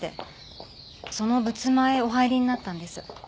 その仏間へお入りになったんです。